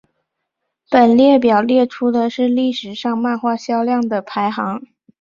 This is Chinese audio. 本列表列出的是历史上漫画销量的排行。